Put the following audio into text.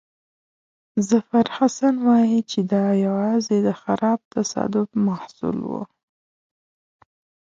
ظفرحسن وایي چې دا یوازې د خراب تصادف محصول وو.